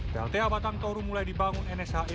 plt abang batang toru mulai dibangun nshe